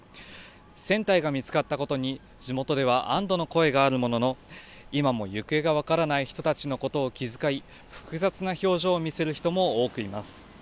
船体が見つかったことに、地元では安どの声があるものの、今も行方が分からない人たちのことを気遣い、複雑な表情を見せる人も多くいます。